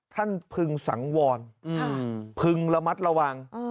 พึงสังวรพึงระมัดระวัง